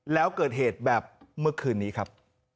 แล้วเกิดเหตุแบบเมื่อคืนนี้ครับ